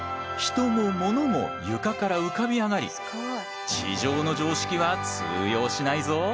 人もモノも床から浮かび上がり地上の常識は通用しないぞ。